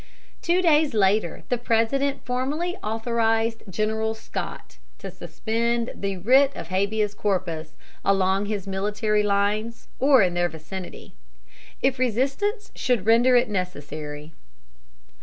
Two days later the President formally authorized General Scott to suspend the writ of habeas corpus along his military lines, or in their vicinity, if resistance should render it necessary.